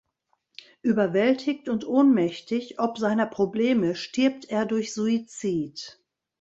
Überwältigt und ohnmächtig ob seiner Probleme stirbt er durch Suizid.